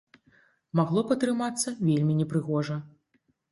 Магло б атрымацца вельмі непрыгожа.